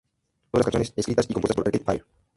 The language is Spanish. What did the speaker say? Todas las canciones escritas y compuestas por Arcade Fire.